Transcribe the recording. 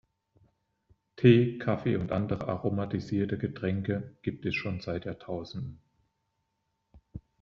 Tee, Kaffee und andere aromatisierte Getränke gibt es schon seit Jahrtausenden.